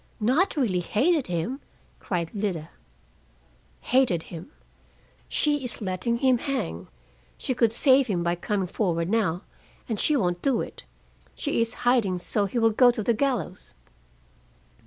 "Not really hated him!" cried Lida. "Hated him. She is letting him hang. She could save him by coming forward now, and she won't do it. She is hiding so he will go to the gallows."